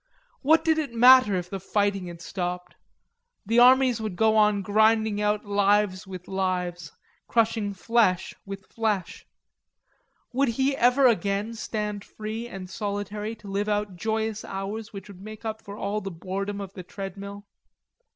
What did it matter if the fighting had stopped? The armies would go on grinding out lives with lives, crushing flesh with flesh. Would he ever again stand free and solitary to live out joyous hours which would make up for all the boredom of the treadmill?